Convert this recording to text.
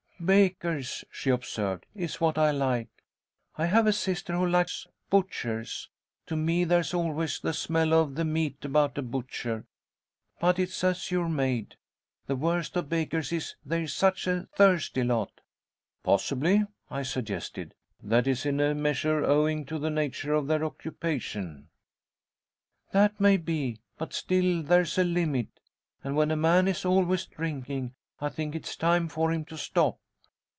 "Bakers," she observed, "is what I like. I have a sister who likes butchers. To me there's always the smell of the meat about a butcher. But it's as you're made. The worst of bakers is, they're such a thirsty lot." "Possibly," I suggested, "that is in a measure owing to the nature of their occupation." "That may be, but still there is a limit, and when a man is always drinking, I think it's time for him to stop."